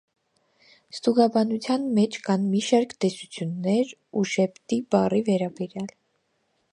Ստուգաբանության մեջ կան մի շարք տեսություններ «ուշեբտի» բառի վերաբերյալ։